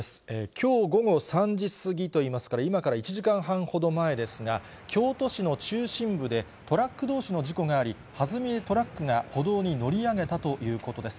きょう午後３時過ぎといいますから、今から１時間半ほど前ですが、京都市の中心部でトラックどうしの事故があり、はずみでトラックが歩道に乗り上げたということです。